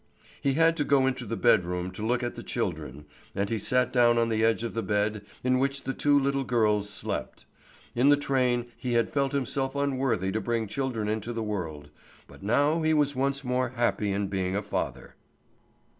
He had to go into the bedroom to look at the children, and he sat down on the edge of the bed in which the two little girls slept. In the train he had felt himself unworthy to bring children into the world, but now he was once more happy in being a father.